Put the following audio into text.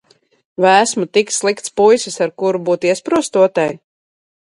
Vai esmu tik slikts puisis, ar kuru būt iesprostotai?